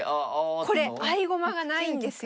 これ合駒がないんですよ。